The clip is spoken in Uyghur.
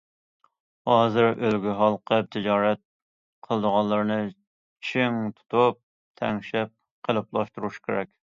ھازىر ئۆلكە ھالقىپ تىجارەت قىلىدىغانلىرىنى چىڭ تۇتۇپ تەڭشەپ قېلىپلاشتۇرۇش كېرەك.